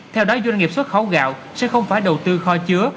theo đó doanh nghiệp xuất khẩu gạo sẽ không phải đầu tư kho chứa